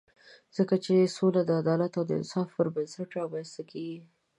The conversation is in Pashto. ځکه چې سوله د عدالت او انصاف پر بنسټ رامنځته کېږي.